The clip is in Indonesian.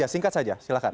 singkat saja silahkan